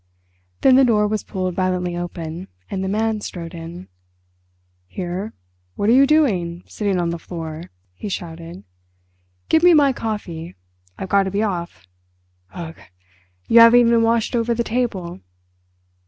Then the door was pulled violently open and the Man strode in. "Here, what are you doing, sitting on the floor?" he shouted. "Give me my coffee. I've got to be off. Ugh! You haven't even washed over the table."